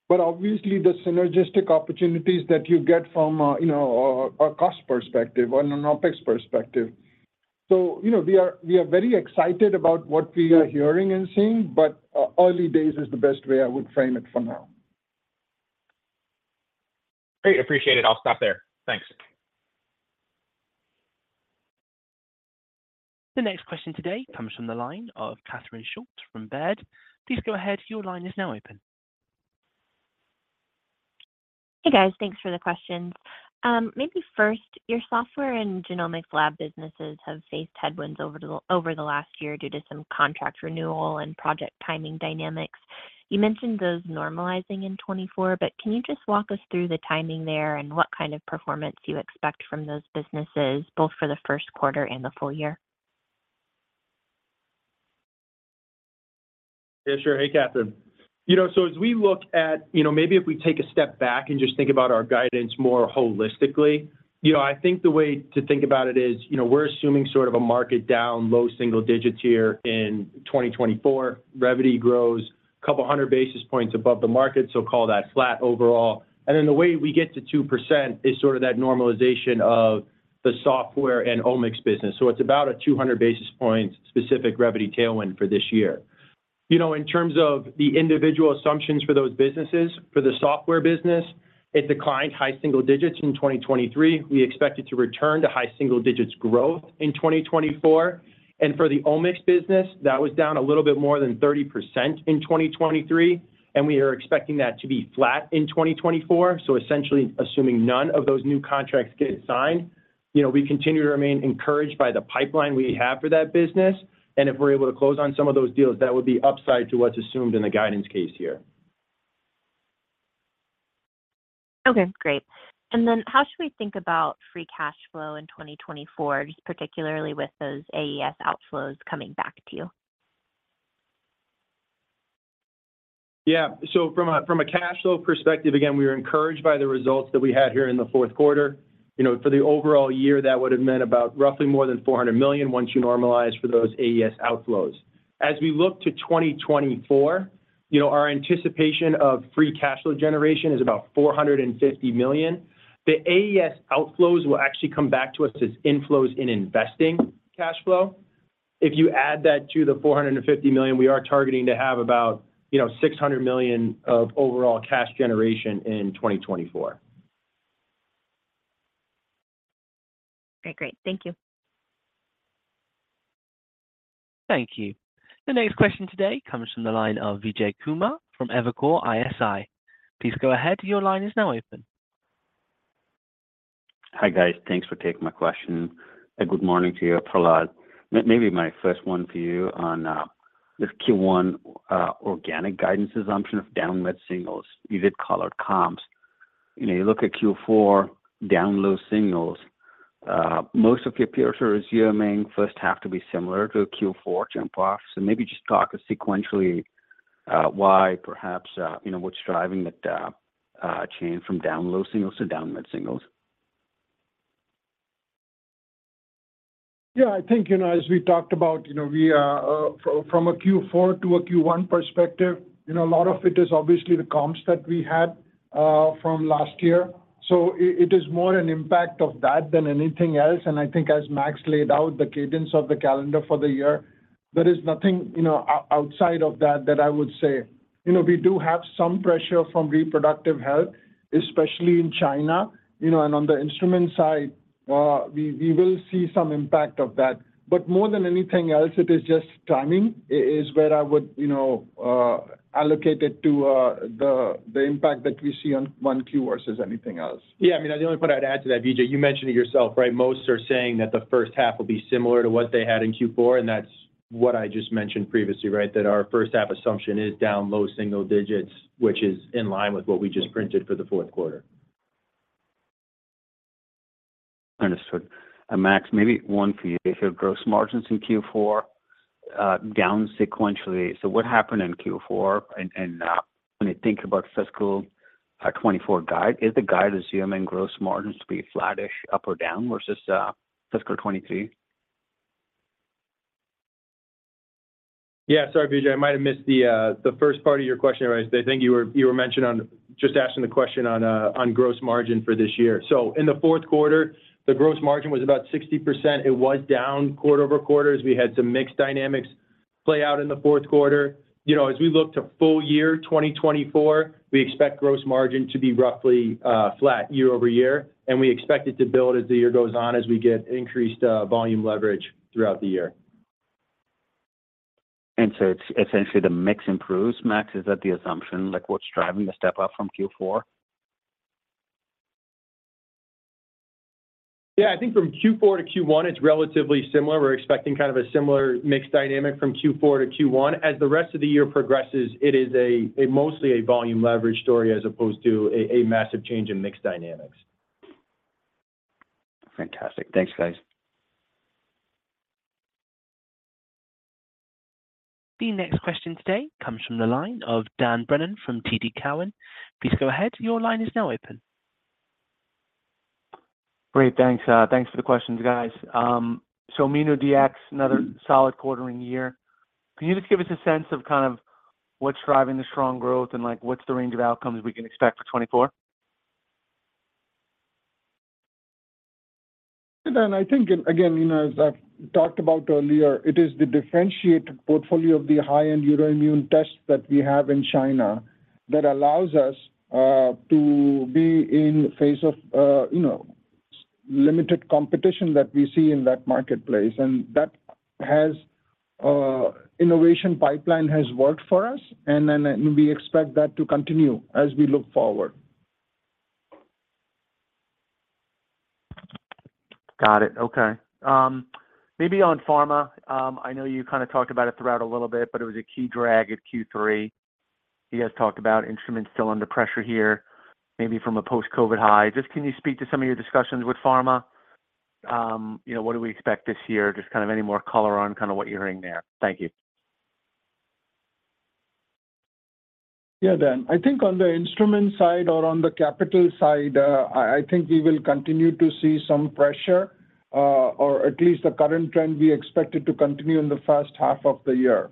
but obviously the synergistic opportunities that you get from a, you know, cost perspective, on an OpEx perspective. You know, we are very excited about what we are hearing and seeing, but early days is the best way I would frame it for now. Great, appreciate it. I'll stop there. Thanks. The next question today comes from the line of Catherine Schulte from Baird. Please go ahead. Your line is now open. Hey, guys. Thanks for the questions. Maybe first, your software and genomics lab businesses have faced headwinds over the last year due to some contract renewal and project timing dynamics. You mentioned those normalizing in 2024, but can you just walk us through the timing there and what kind of performance you expect from those businesses, both for the first quarter and the full year? Yeah, sure. Hey, Catherine. You know, so as we look at, you know, maybe if we take a step back and just think about our guidance more holistically, you know, I think the way to think about it is, you know, we're assuming sort of a market down, low single digits here in 2024. Revenue grows a couple hundred basis points above the market, so call that flat overall. And then the way we get to 2% is sort of that normalization of the software and Omics business. So it's about a 200 basis points specific revenue tailwind for this year. You know, in terms of the individual assumptions for those businesses, for the software business, it declined high single digits in 2023. We expect it to return to high single digits growth in 2024. For the Omics business, that was down a little bit more than 30% in 2023, and we are expecting that to be flat in 2024. Essentially assuming none of those new contracts get signed, you know, we continue to remain encouraged by the pipeline we have for that business, and if we're able to close on some of those deals, that would be upside to what's assumed in the guidance case here. Okay, great. And then how should we think about free cash flow in 2024, just particularly with those AES outflows coming back to you? Yeah. So from a cash flow perspective, again, we are encouraged by the results that we had here in the fourth quarter. You know, for the overall year, that would've meant about roughly more than $400 million once you normalize for those AES outflows. As we look to 2024, you know, our anticipation of free cash flow generation is about $450 million. The AES outflows will actually come back to us as inflows in investing cash flow. If you add that to the $450 million, we are targeting to have about, you know, $600 million of overall cash generation in 2024. Okay, great. Thank you. Thank you. The next question today comes from the line of Vijay Kumar from Evercore ISI. Please go ahead. Your line is now open. Hi, guys. Thanks for taking my question. Good morning to you, Prahlad. Maybe my first one for you on this Q1 organic guidance assumption of down mid-singles. You did color comps. You know, you look at Q4 down low singles, most of your peers are assuming first half to be similar to a Q4 jump off. So maybe just talk sequentially, why perhaps, you know, what's driving that change from down low singles to down mid-singles? Yeah, I think, you know, as we talked about, you know, we are from a Q4 to a Q1 perspective, you know, a lot of it is obviously the comps that we had from last year. So it is more an impact of that than anything else, and I think as Max laid out the cadence of the calendar for the year, there is nothing, you know, outside of that, that I would say. You know, we do have some pressure from reproductive health, especially in China, you know, and on the instrument side, we will see some impact of that. But more than anything else, it is just timing, is where I would, you know, allocate it to, the impact that we see on 1Q versus anything else. Yeah, I mean, the only point I'd add to that, Vijay, you mentioned it yourself, right? Most are saying that the first half will be similar to what they had in Q4, and that's what I just mentioned previously, right? That our first half assumption is down low single digits, which is in line with what we just printed for the fourth quarter. Understood. And Max, maybe one for you. If your gross margins in Q4 down sequentially, so what happened in Q4? And, and, when you think about fiscal 2024 guide, is the guide assuming gross margins to be flattish up or down versus fiscal 2023? Yeah, sorry, Vijay, I might have missed the first part of your question, right. I think you were mentioning on—just asking the question on gross margin for this year. So in the fourth quarter, the gross margin was about 60%. It was down quarter-over-quarter as we had some mixed dynamics play out in the fourth quarter. You know, as we look to full year 2024, we expect gross margin to be roughly flat year-over-year, and we expect it to build as the year goes on, as we get increased volume leverage throughout the year. And so it's essentially the mix improves. Max, is that the assumption, like what's driving the step up from Q4? Yeah, I think from Q4 to Q1, it's relatively similar. We're expecting kind of a similar mix dynamic from Q4 to Q1. As the rest of the year progresses, it is mostly a volume leverage story as opposed to a massive change in mix dynamics. Fantastic. Thanks, guys. The next question today comes from the line of Dan Brennan from TD Cowen. Please go ahead. Your line is now open. Great, thanks. Thanks for the questions, guys. So immuno DX, another solid quarter in the year. Can you just give us a sense of kind of what's driving the strong growth and, like, what's the range of outcomes we can expect for 2024? Dan, I think, and again, you know, as I've talked about earlier, it is the differentiated portfolio of the high-end neuroimmune tests that we have in China that allows us to be in phase of, you know, limited competition that we see in that marketplace. And that has innovation pipeline has worked for us, and then we expect that to continue as we look forward. Got it. Okay. Maybe on pharma, I know you kind of talked about it throughout a little bit, but it was a key drag at Q3. You guys talked about instruments still under pressure here, maybe from a post-COVID high. Just can you speak to some of your discussions with pharma? You know, what do we expect this year? Just kind of any more color on kind of what you're hearing there. Thank you. Yeah, Dan. I think on the instrument side or on the capital side, I think we will continue to see some pressure, or at least the current trend, we expect it to continue in the first half of the year.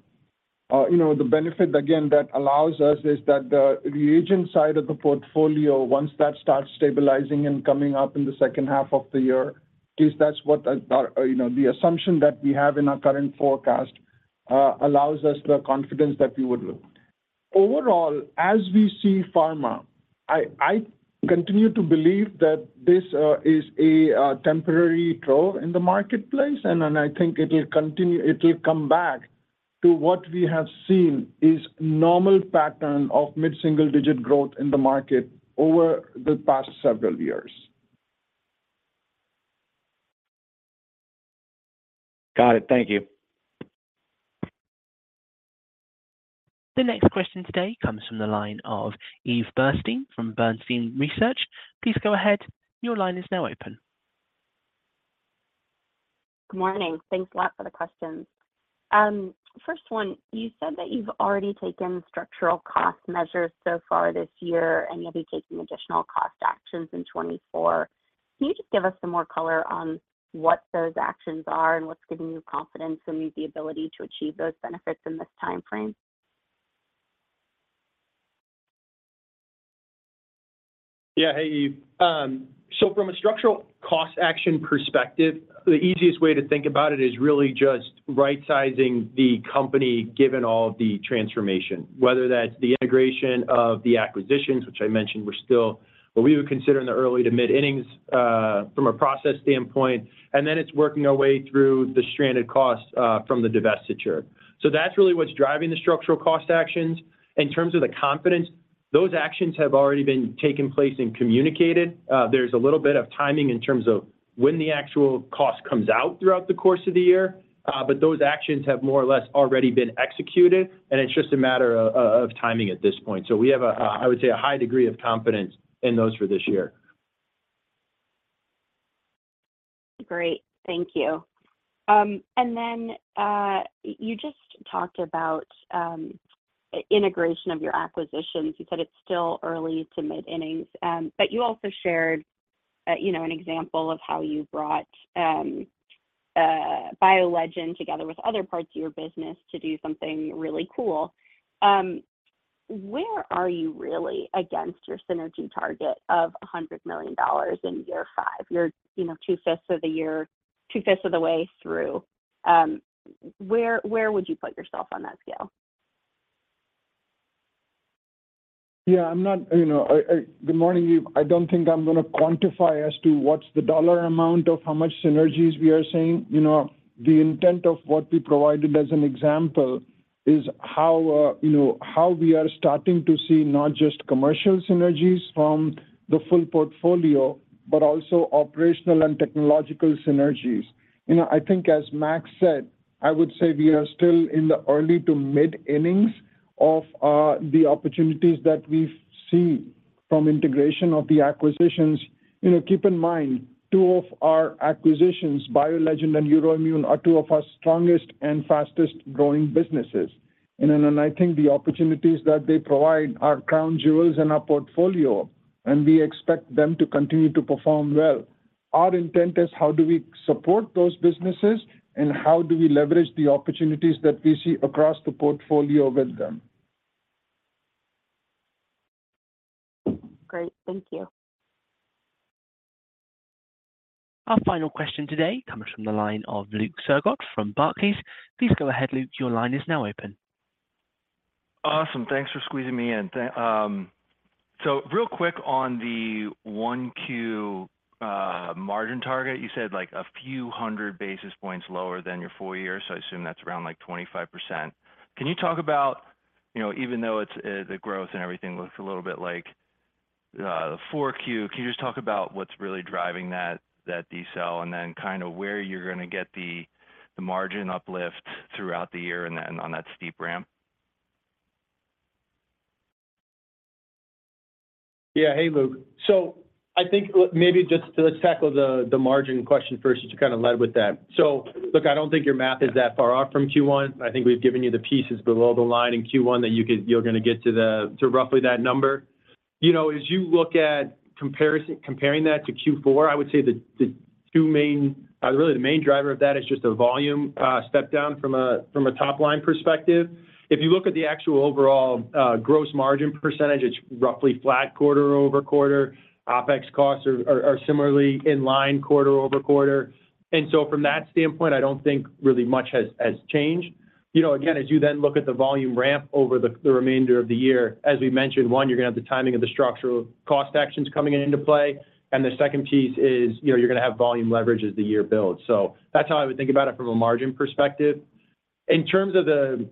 You know, the benefit, again, that allows us is that the reagent side of the portfolio, once that starts stabilizing and coming up in the second half of the year, at least that's what, you know, the assumption that we have in our current forecast, allows us the confidence that we would look. Overall, as we see pharma, I continue to believe that this is a temporary trough in the marketplace, and then I think it will continue, it will come back to what we have seen is normal pattern of mid-single digit growth in the market over the past several years. Got it. Thank you. The next question today comes from the line of Eve Burstein from Bernstein Research. Please go ahead. Your line is now open. Good morning. Thanks a lot for the questions. First one, you said that you've already taken structural cost measures so far this year, and you'll be taking additional cost actions in 2024. Can you just give us some more color on what those actions are and what's giving you confidence in the ability to achieve those benefits in this time frame? Yeah. Hey, Eve. So from a structural cost action perspective, the easiest way to think about it is really just right sizing the company, given all the transformation, whether that's the integration of the acquisitions, which I mentioned, we're still what we would consider in the early to mid-innings from a process standpoint, and then it's working our way through the stranded costs from the divestiture. So that's really what's driving the structural cost actions. In terms of the confidence, those actions have already been taking place and communicated. There's a little bit of timing in terms of when the actual cost comes out throughout the course of the year, but those actions have more or less already been executed, and it's just a matter of timing at this point. We have a, I would say, a high degree of confidence in those for this year. Great. Thank you. And then you just talked about integration of your acquisitions. You said it's still early to mid-innings, but you also shared, you know, an example of how you brought BioLegend together with other parts of your business to do something really cool. Where are you really against your synergy target of $100 million in year five? You're, you know, 2/5 of the year, 2/5 of the way through. Where would you put yourself on that scale? Good morning, Eve. I don't think I'm going to quantify as to what's the dollar amount of how much synergies we are seeing. You know, the intent of what we provided as an example. Is how, you know, how we are starting to see not just commercial synergies from the full portfolio, but also operational and technological synergies. You know, I think as Max said, I would say we are still in the early to mid-innings of, the opportunities that we see from integration of the acquisitions. You know, keep in mind, two of our acquisitions, BioLegend and Euroimmun, are two of our strongest and fastest-growing businesses. And then I think the opportunities that they provide are crown jewels in our portfolio, and we expect them to continue to perform well. Our intent is how do we support those businesses, and how do we leverage the opportunities that we see across the portfolio with them? Great, thank you. Our final question today comes from the line of Luke Sergott from Barclays. Please go ahead, Luke. Your line is now open. Awesome. Thanks for squeezing me in. So real quick, on the 1Q, margin target, you said, like, a few hundred basis points lower than your full year, so I assume that's around, like, 25%. Can you talk about, you know, even though it's, the growth and everything looks a little bit like, 4Q, can you just talk about what's really driving that, that decel? And then kind of where you're gonna get the, the margin uplift throughout the year and then on that steep ramp. Yeah. Hey, Luke. So I think maybe just let's tackle the margin question first, since you kind of led with that. So look, I don't think your math is that far off from Q1. I think we've given you the pieces below the line in Q1 that you could—you're gonna get to the, to roughly that number. You know, as you look at comparing that to Q4, I would say the two main, really the main driver of that is just a volume step-down from a, from a top-line perspective. If you look at the actual overall gross margin percentage, it's roughly flat quarter-over-quarter. OpEx costs are similarly in line quarter-over-quarter. And so from that standpoint, I don't think really much has changed. You know, again, as you then look at the volume ramp over the remainder of the year, as we mentioned, one, you're gonna have the timing of the structural cost actions coming into play, and the second piece is, you know, you're gonna have volume leverage as the year builds. So that's how I would think about it from a margin perspective. In terms of the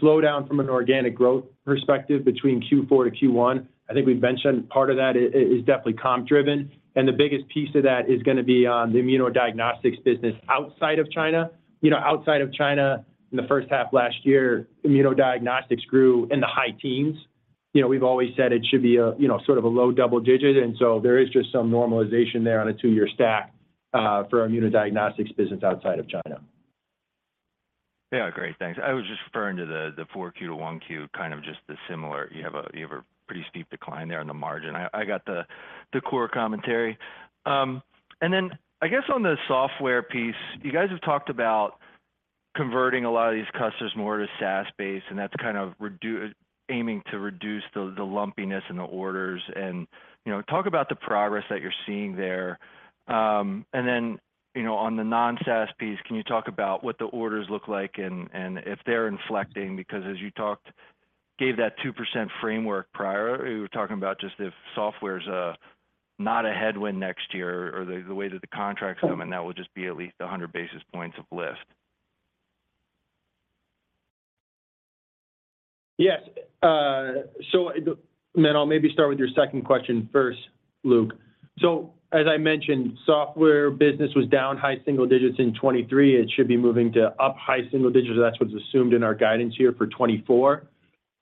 slowdown from an organic growth perspective between Q4 to Q1, I think we've mentioned part of that is definitely comp driven, and the biggest piece of that is gonna be on the Immunodiagnostics business outside of China. You know, outside of China, in the first half of last year, immunodiagnostics grew in the high teens. You know, we've always said it should be a, you know, sort of a low double-digit, and so there is just some normalization there on a two-year stack, for our immunodiagnostics business outside of China. Yeah, great, thanks. I was just referring to the 4Q to 1Q, kind of just the similar. You have a pretty steep decline there on the margin. I got the core commentary. And then I guess on the software piece, you guys have talked about converting a lot of these customers more to SaaS-based, and that's kind of aiming to reduce the lumpiness in the orders. And, you know, talk about the progress that you're seeing there. And then, you know, on the non-SaaS piece, can you talk about what the orders look like and if they're inflecting? Because as you talked, gave that 2% framework prior, you were talking about just if software's not a headwind next year or the way that the contracts come in, that would just be at least 100 basis points of lift. Yes. So then I'll maybe start with your second question first, Luke. So, as I mentioned, software business was down high single digits in 2023. It should be moving to up high single digits. That's what's assumed in our guidance here for 2024.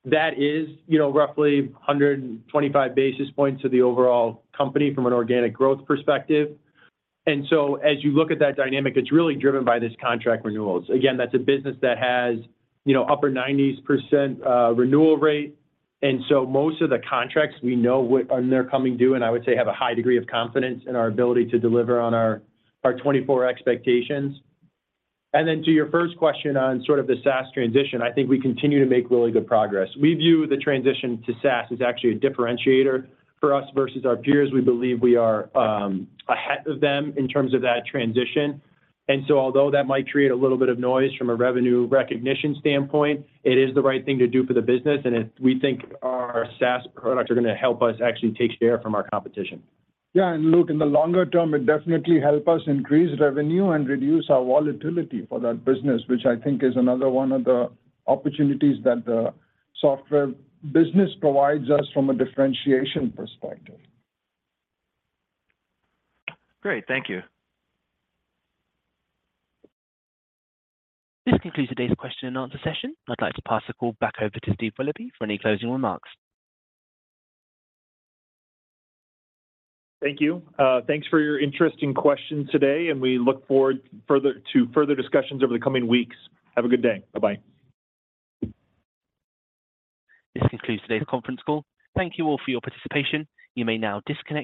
That is, you know, roughly 125 basis points to the overall company from an organic growth perspective. And so as you look at that dynamic, it's really driven by this contract renewals. Again, that's a business that has, you know, upper 90s% renewal rate. And so most of the contracts, we know when they're coming due, and I would say, have a high degree of confidence in our ability to deliver on our 2024 expectations. And then to your first question on sort of the SaaS transition, I think we continue to make really good progress. We view the transition to SaaS as actually a differentiator for us versus our peers. We believe we are ahead of them in terms of that transition. And so although that might create a little bit of noise from a revenue recognition standpoint, it is the right thing to do for the business, and it, we think our SaaS products are gonna help us actually take share from our competition. Yeah, and Luke, in the longer term, it definitely help us increase revenue and reduce our volatility for that business, which I think is another one of the opportunities that the software business provides us from a differentiation perspective. Great. Thank you. This concludes today's question and answer session. I'd like to pass the call back over to Steve Willoughby for any closing remarks. Thank you. Thanks for your interesting questions today, and we look forward to further discussions over the coming weeks. Have a good day. Bye-bye. This concludes today's conference call. Thank you all for your participation. You may now disconnect.